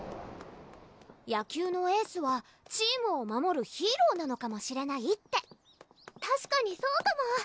野球のエースはチームを守るヒーローなのかもしれないってたしかにそうかも！